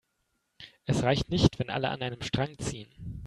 Es reicht nicht, wenn alle an einem Strang ziehen.